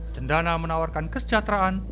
cendana menawarkan kesejahteraan